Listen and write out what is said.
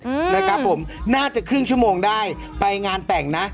อืมนะครับผมน่าจะครึ่งชั่วโมงได้ไปงานแต่งนะ